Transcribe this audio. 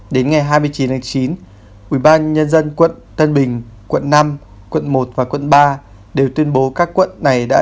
đến ngày hai mươi chín tháng chín ubnd quận tân bình quận năm quận một và quận ba đều tuyên bố các quận này đã